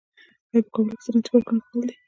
آیا په کابل کې صنعتي پارکونه فعال دي؟